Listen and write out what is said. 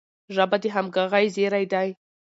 ژبه د همږغی زیری دی.